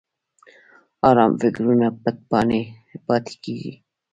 ارام فکرونه پټ پاتې کېږي.